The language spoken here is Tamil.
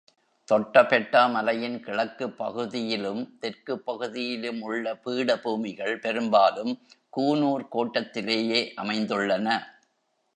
தொட்டபெட்டா மலையின் கிழக்குப் பகுதியிலும் தெற்குப் பகுதியிலும் உள்ள பீடபூமிகள் பெரும்பாலும் கூனூர் கோட்டத்திலேயே அமைந்துள்ளன.